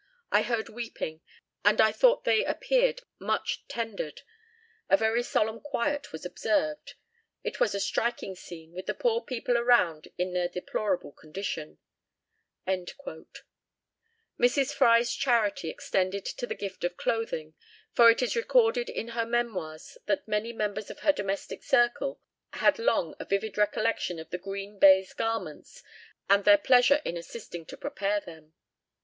I heard weeping, and I thought they appeared much tendered. A very solemn quiet was observed; it was a striking scene, with the poor people around in their deplorable condition." Mrs. Fry's charity extended to the gift of clothing, for it is recorded in her memoirs that many members of her domestic circle had long a vivid recollection of the "green baize garments," and their pleasure in assisting to prepare them.